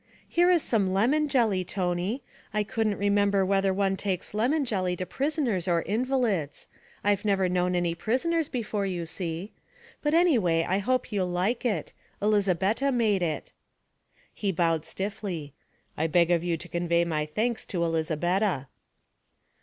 'Here is some lemon jelly, Tony. I couldn't remember whether one takes lemon jelly to prisoners or invalids I've never known any prisoners before, you see. But anyway, I hope you'll like it; Elizabetta made it.' He bowed stiffly. 'I beg of you to convey my thanks to Elizabetta.'